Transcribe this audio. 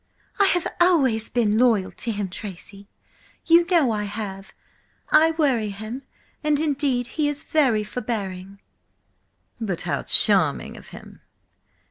"I have always been loyal to him, Tracy! You know I have! I worry him–and indeed he is very forbearing." "But how charming of him!"